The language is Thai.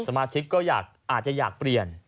สมาชิกก็อาจจะอยากเปลี่ยน